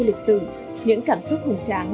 lịch sử những cảm xúc hùng tráng